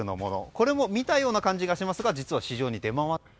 これも見たような感じがしますが実は市場に。